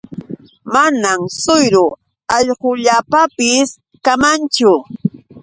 Manam suyru allqullaapapis kamanchu.